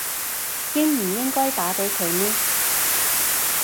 應唔應該打畀佢呢